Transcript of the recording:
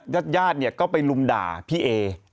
ญาติญาติก็ไปลุมด่าพี่เอ